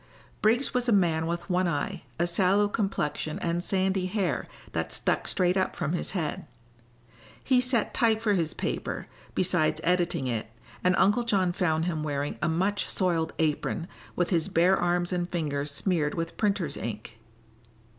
Briggs was a man with one eye, a sallow complexion and sandy hair that stuck straight up from his head. He set type for his paper, besides editing it, and Uncle John found him wearing a much soiled apron, with his bare arms and fingers smeared with printer's ink.